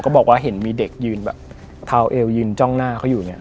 บอกว่าเห็นมีเด็กยืนแบบเท้าเอวยืนจ้องหน้าเขาอยู่เนี่ย